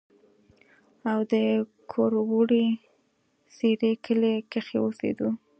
او د کروړې سېرۍ کلي کښې اوسېدو